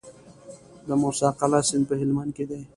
د موسی قلعه سیند په هلمند کې دی